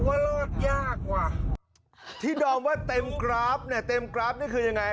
ว่ารอดยากว่ะที่ดอมว่าเต็มกราฟเนี่ยเต็มกราฟนี่คือยังไง